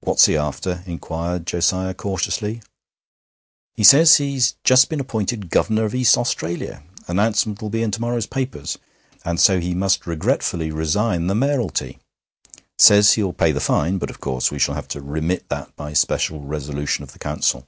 'What's he after?' inquired Josiah cautiously. 'He says he's just been appointed Governor of East Australia announcement 'll be in to morrow's papers and so he must regretfully resign the mayoralty. Says he'll pay the fine, but of course we shall have to remit that by special resolution of the Council.'